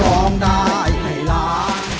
ร้องได้ให้ล้าน